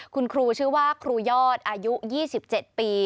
คุณครูชื่อว่าครูยอดอายุ๒๗ปี